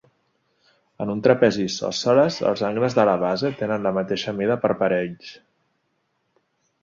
En un trapezi isòsceles, els angles de la base tenen la mateixa mida per parells.